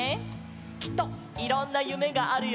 きっといろんなゆめがあるよね！